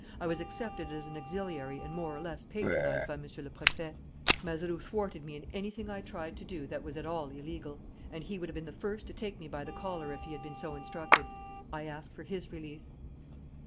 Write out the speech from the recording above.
I was accepted as an auxiliary and more or less patronized by Monsieur le Préfet. Mazeroux thwarted me in anything I tried to do that was at all illegal. And he would have been the first to take me by the collar if he had been so instructed. I ask for his release."